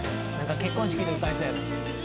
結婚式で歌いそうやな。